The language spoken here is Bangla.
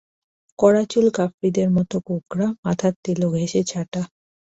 কড়া চুল কাফ্রিদের মতো কোঁকড়া, মাথার তেলো ঘেঁষে ছাঁটা।